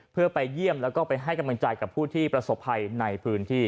เพื่อไปเยี่ยมแล้วก็ไปให้กำลังใจกับผู้ที่ประสบภัยในพื้นที่